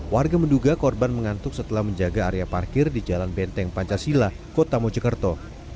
warga menduga korban mengantuk setelah menjaga area parkir di jalan benteng pancasila kota mojokerto